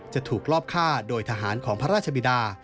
จะถูกลอบฆ่าโดยทหารของพระราชบิดา